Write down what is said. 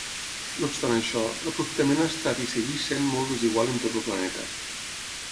No obstant això, l'aprofitament ha estat i segueix sent molt desigual en tot el planeta.